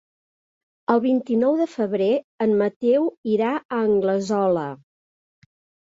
El vint-i-nou de febrer en Mateu irà a Anglesola.